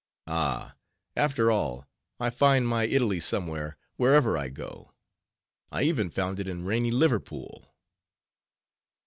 Ah! after all, I find my Italy somewhere, wherever I go. I even found it in rainy Liverpool."